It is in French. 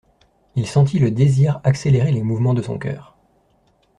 Il sentit le désir accélérer les mouvements de son cœur.